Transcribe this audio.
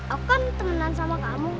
aku kan temenan sama kamu